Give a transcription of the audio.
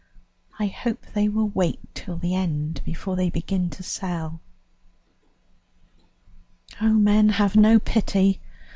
I hope they will wait till the end before they begin to sell. "Oh, men have no pity!